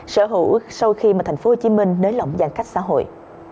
sở hữu sau khi thành phố hồ chí minh nới lỏng giang cách xã hội